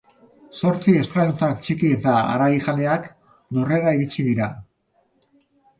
Zortzi estralurtar txiki eta haragijaleak Lurrera iritsi dira.